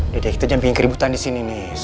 dede kita jangan bikin keributan disini nis